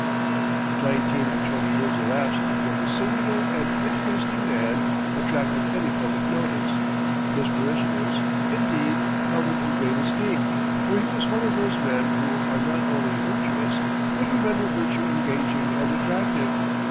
Nineteen or twenty years elapsed before this singular and interesting man attracted any public notice. His parishioners, indeed, held him in great esteem, for he was one of those men who are not only virtuous, but who render virtue engaging and attractive.